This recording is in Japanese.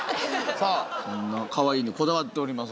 さあそんなカワイイにこだわっております